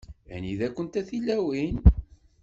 Anida-kent a tilawin?